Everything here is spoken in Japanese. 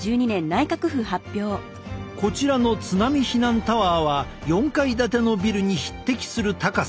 こちらの津波避難タワーは４階建てのビルに匹敵する高さ。